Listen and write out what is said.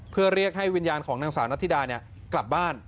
เพื่อเรียกให้วิญญาณของนางสาวนัทธิดากลับบ้าน